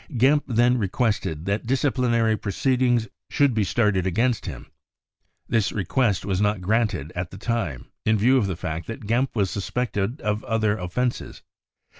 Gempp then requested that disciplinary proceedings should be started against him. This request was not granted at the time, in view of the fact that Gempp was suspected of other offences.